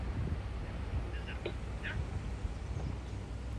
বিপ্রদাসকে বাড়ির সকলেই ভালোবাসে।